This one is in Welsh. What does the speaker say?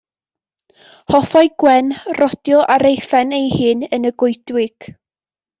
Hoffai Gwen rodio ar ei phen ei hun yn y goedwig.